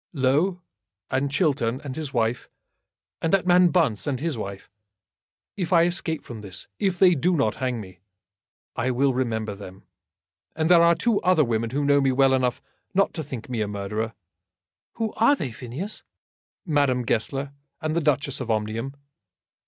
"Low, and Chiltern, and his wife; and that man Bunce, and his wife. If I escape from this, if they do not hang me, I will remember them. And there are two other women who know me well enough not to think me a murderer." "Who are they, Phineas?" "Madame Goesler, and the Duchess of Omnium."